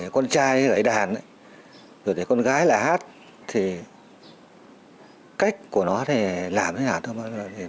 con trai lấy đàn rồi thì con gái lại hát thì cách của nó thì làm thế nào